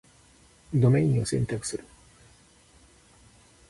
ドメインを選択する